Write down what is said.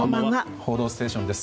「報道ステーション」です。